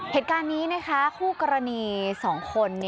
เหตุการณ์นี้นะคะคู่กรณี๒คน